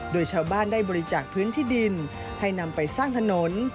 โดยชาวบ้านได้บริจาคพื้นที่ดินให้นำไปสร้างถนน